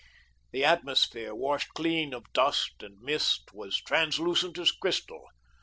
The atmosphere, washed clean of dust and mist, was translucent as crystal.